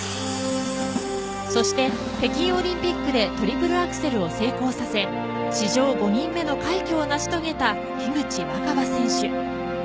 そして北京オリンピックでトリプルアクセルを成功させ史上５人目の快挙を成し遂げた樋口新葉選手。